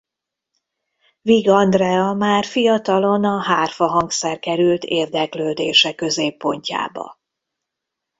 Vigh Andrea már fiatalon a hárfa hangszer került érdeklődése középpontjába.